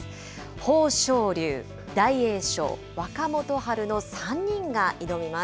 豊昇龍、大栄翔、若元春の３人が挑みます。